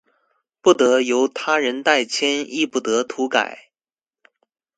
不得由他人代簽亦不得塗改